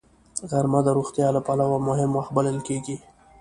غرمه د روغتیا له پلوه مهم وخت بلل کېږي